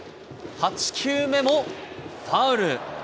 ８球目もファウル。